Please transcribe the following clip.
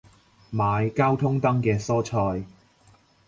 買交通燈嘅蔬菜